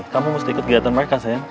kamu mesti ikut kegiatan mereka sayang